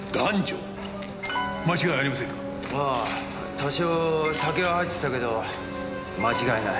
多少酒は入ってたけど間違いない。